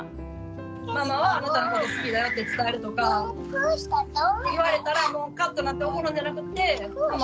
ママはあなたのこと好きだよって伝えるとか言われたらカッとなって怒るんじゃなくってママ